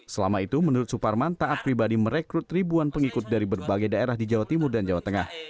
selama itu menurut suparman taat pribadi merekrut ribuan pengikut dari berbagai daerah di jawa timur dan jawa tengah